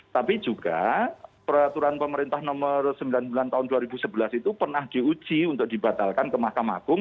tapi juga peraturan pemerintah nomor sembilan puluh sembilan tahun dua ribu sebelas itu pernah diuji untuk dibatalkan ke mahkamah agung